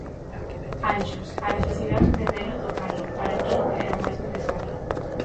Anxos: A necesidade de velo e tocalo, para min era o máis necesario.